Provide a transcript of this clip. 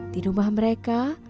di rumah mereka